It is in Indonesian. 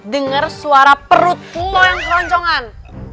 dengar suara perut kumo yang keroncongan